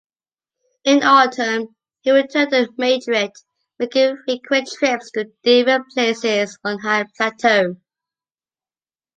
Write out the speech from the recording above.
In autumn he returned to Madrid, making frequent trips to different places on high plateau.